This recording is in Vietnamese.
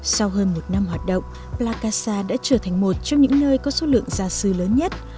sau hơn một năm hoạt động plakasa đã trở thành một trong những nơi có số lượng giáo sư lớn nhất